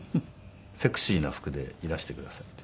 セクシーな服でいらしてくださいって。